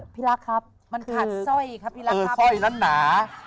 พี่ลักครับคือเออสอยนั้นหนา